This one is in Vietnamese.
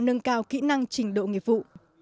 nâng cao kỹ năng trình độ nghiệp vụ